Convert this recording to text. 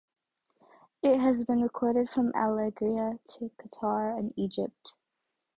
It has been recorded from Algeria to Qatar and Egypt.